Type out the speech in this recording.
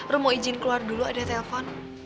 rum mau izin keluar dulu ada telepon